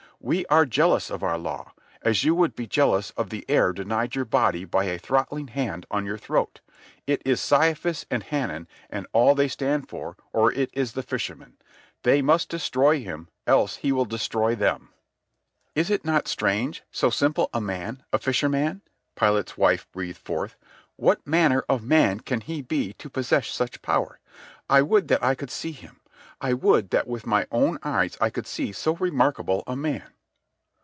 We are jealous of our law, as you would be jealous of the air denied your body by a throttling hand on your throat. It is Caiaphas and Hanan and all they stand for, or it is the fisherman. They must destroy him, else he will destroy them." "Is it not strange, so simple a man, a fisherman?" Pilate's wife breathed forth. "What manner of man can he be to possess such power? I would that I could see him. I would that with my own eyes I could see so remarkable a man."